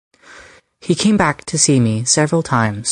He came back to see me several times.